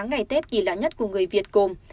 ngày tết kỳ lạ nhất của người việt gồm